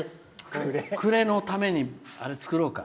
暮れのために、作ろうか。